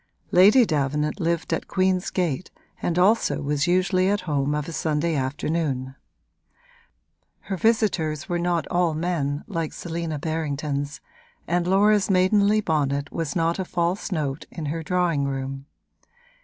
Lady Davenant lived at Queen's Gate and also was usually at home of a Sunday afternoon: her visitors were not all men, like Selina Berrington's, and Laura's maidenly bonnet was not a false note in her drawing room.